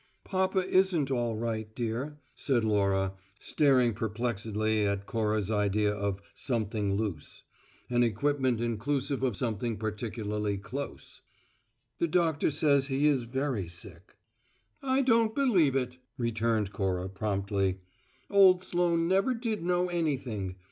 "Papa isn't all right, dear," said Laura, staring perplexedly at Cora's idea of "something loose," an equipment inclusive of something particularly close. "The doctor says he is very sick." "I don't believe it," returned Cora promptly. "Old Sloane never did know anything.